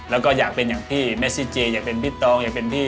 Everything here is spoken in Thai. แล้วก็อยากเป็นอย่างพี่เมซิเจอยากเป็นพี่ตองอยากเป็นพี่